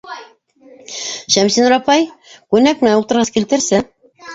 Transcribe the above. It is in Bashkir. Шәмсинур апай, күнәк менән ултырғыс килтерсе.